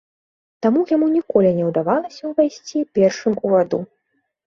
Таму яму ніколі не ўдавалася ўвайсці першым у ваду.